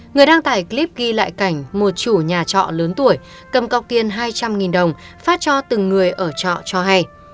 người đăng tải clip ghi lại cảnh một chủ nhà trọ lớn tuổi cầm cọc tiền hai trăm linh đồng phát cho từng người ở trọ cho hay